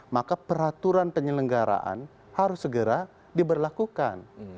maka peraturan penyelenggaraan harus segera diberlakukan